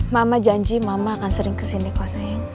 mama janji mama akan sering kesini kok sayang